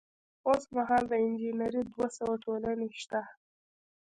اوس مهال د انجنیری دوه سوه ټولنې شته.